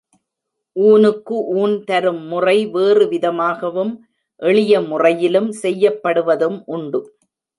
ஊனுக்கு ஊன் தரும் முறை வேறு விதமாகவும் எளிய முறையிலும் செய்யப்படுவதும் உண்டு.